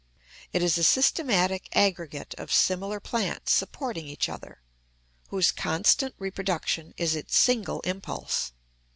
It is a systematic aggregate of similar plants supporting each other, whose constant reproduction is its single impulse.